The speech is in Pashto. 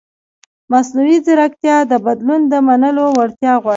مصنوعي ځیرکتیا د بدلون د منلو وړتیا غواړي.